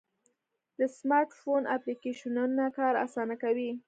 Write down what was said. د سمارټ فون اپلیکیشنونه کار آسانه کوي.